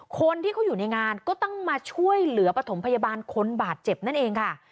คนที่เขาอยู่ในงานก็ต้องมาช่วยเหลือปฐมพยาบาลคนบาดเจ็บนั่นเองค่ะ